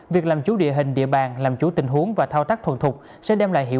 việc làm chủ địa hình địa bàn làm chủ tình huống và thao tác thuận thục sẽ đem lại hiệu